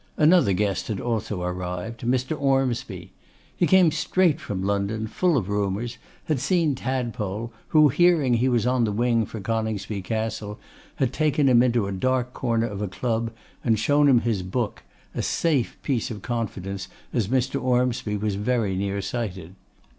Another guest had also arrived, Mr. Ormsby. He came straight from London, full of rumours, had seen Tadpole, who, hearing he was on the wing for Coningsby Castle, had taken him into a dark corner of a club, and shown him his book, a safe piece of confidence, as Mr. Ormsby was very near sighted.